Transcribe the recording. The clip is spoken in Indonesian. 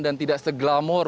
dan tidak seglamor